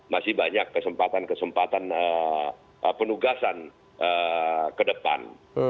masih banyak kesempatan kesempatan penugasan ke depan